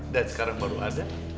dan sekarang baru ada